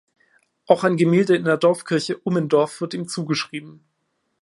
Auch ein Gemälde in der Dorfkirche Ummendorf wird ihm zugeschrieben.